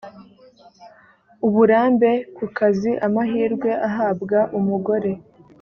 uburambe ku kazi amahirwe ahabwa umugore